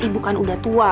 ibu kan udah tua